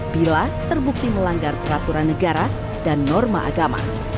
bila terbukti melanggar peraturan negara dan norma agama